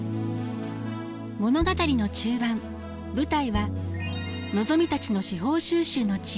物語の中盤舞台はのぞみたちの司法修習の地